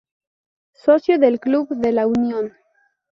Socio del Club de la Unión.